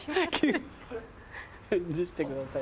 「返事してください」。